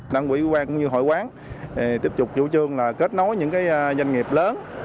đảng quỹ quang cũng như hội quán tiếp tục chủ trương là kết nối những doanh nghiệp lớn